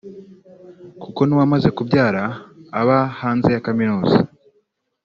kuko n’uwamaze kubyara aba hanze ya kaminuza